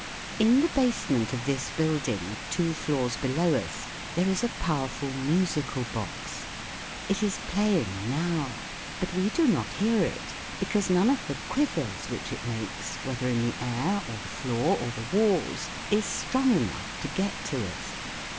In the basement of this building, two floors below us, there is a powerful musical box. It is playing now, but we do not hear it because none of the quivers which it makes, whether in the air or the floor or the walls, is strong enough to get to us.